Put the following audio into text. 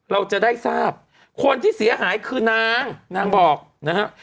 เราจะได้ทราบคนที่เสียหายคือนางนางบอกนะฮะ